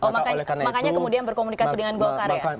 makanya kemudian berkomunikasi dengan golkar ya